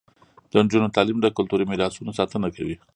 د نجونو تعلیم د کلتوري میراثونو ساتنه کوي.